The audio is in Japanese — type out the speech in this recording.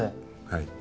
はい。